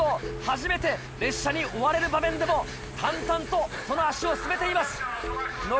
初めて列車に追われる場面でも淡々とその足を進めています。